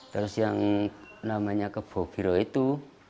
terus yang namanya kebobiro itu